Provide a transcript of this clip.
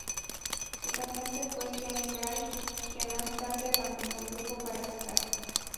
Su cantante fue Ken Ray, que más tarde abandonó el grupo para casarse.